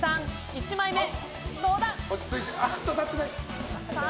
１枚目、どうだ。